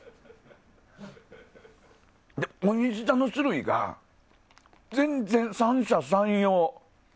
おいしさの種類が全然、三者三様。